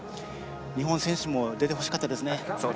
日本選手も出てほしかったですね。